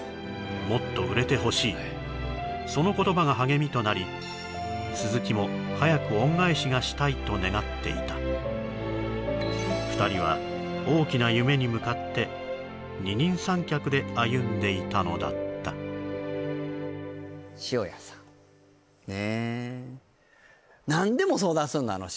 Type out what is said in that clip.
もっと売れてほしいその言葉が励みとなり鈴木も早く恩返しがしたいと願っていた２人は大きな夢に向かって二人三脚で歩んでいたのだった塩屋さんねえ